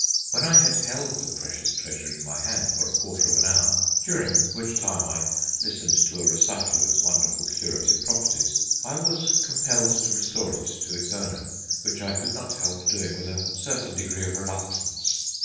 When I had held the precious treasure in my hand for a quarter of an hour (during which time I listened to a recital of its wonderful curative properties), I was compelled to restore it to its owner, which I could not help doing with a certain degree of reluctance....